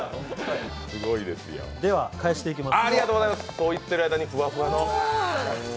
では、返していきます。